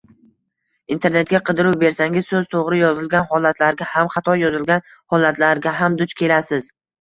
Internetga qidiruv bersangiz, soʻz toʻgʻri yozilgan holatlarga ham, xato yozilgan holatlarga ham duch kelasiz